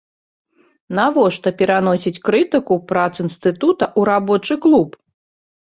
Навошта пераносіць крытыку прац інстытута ў рабочы клуб?